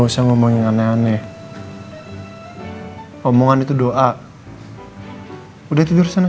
sini ajolu ah